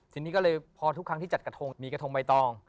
ทีนี้ก็เลยพอทุกครั้งที่จัดกระทงมีกระทงใบตอง